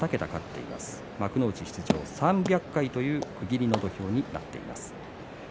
出場３００回という区切りの土俵になっています。